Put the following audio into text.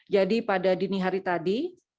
jadi pada dini hari tadi